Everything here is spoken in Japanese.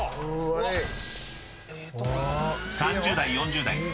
［３０代４０代